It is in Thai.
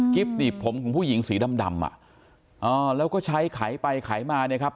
หนีบผมของผู้หญิงสีดำดำอ่ะอ่าแล้วก็ใช้ไขไปไขมาเนี่ยครับ